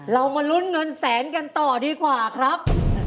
มาลุ้นเงินแสนกันต่อดีกว่าครับ